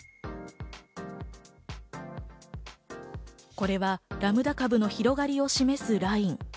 これは、ラムダ株の広がりを示すライン。